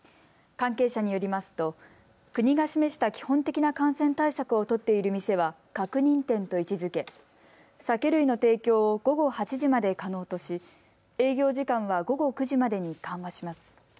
関係者によりますと国が示した基本的な感染対策を取っている店は確認店と位置づけ酒類の提供を午後８時まで可能とし営業時間は午後９時までに緩和します。